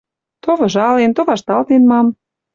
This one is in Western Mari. То выжален, то вашталтен мам.